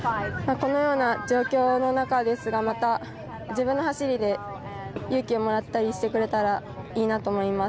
このような状況の中ですが、また自分の走りで勇気をもらったりしてくれたらいいなと思います。